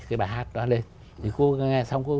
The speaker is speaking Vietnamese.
cái bài hát đó lên